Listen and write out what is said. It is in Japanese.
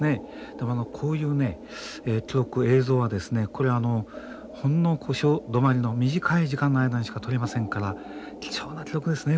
でもこういう記録映像はですねほんの小潮止まりの短い時間の間にしか撮れませんから貴重な記録ですね